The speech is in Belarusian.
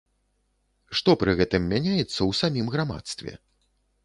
Што пры гэтым мяняецца ў самім грамадстве?